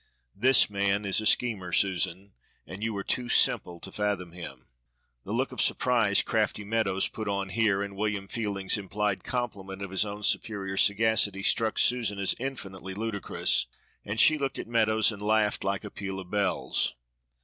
This man is a schemer, Susan, and you are too simple to fathom him." The look of surprise crafty Meadows put on here, and William Fielding's implied compliment to his own superior sagacity struck Susan as infinitely ludicrous, and she looked at Meadows and laughed like a peal of bells.